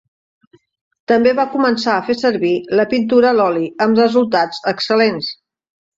També va començar a fer servir la pintura a l'oli amb resultats excel·lents.